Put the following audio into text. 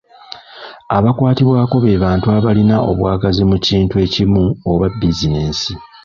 Abakwatibwako be bantu abalina obwagazi mu kintu ekimu oba bizinensi.